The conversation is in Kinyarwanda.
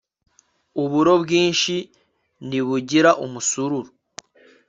uburo bwinshi ntibugira umusururu